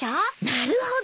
なるほど。